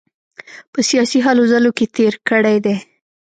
په سیاسي هلو ځلو کې تېر کړی دی.